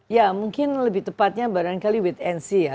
ya mungkin lebih tepatnya barangkali wait and see ya